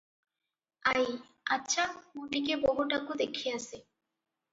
ଆଈ - ଆଚ୍ଛା, ମୁଁ ଟିକିଏ ବୋହୂଟାକୁ ଦେଖି ଆସେ ।